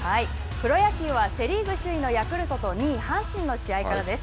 プロ野球はセ・リーグ首位のヤクルトと２位阪神の試合からです。